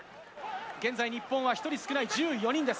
現在、日本は１人少ない１４人です。